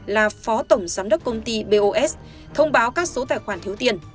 là phó tổng giám đốc công ty bos thông báo các số tài khoản thiếu tiền